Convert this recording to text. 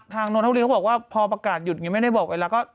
ทางนทบุรีเขาบอกว่าพอประกาศหยุดยังไม่ได้บอกไว้แล้วก็